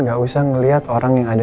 gak usah ngelihat orang yang ada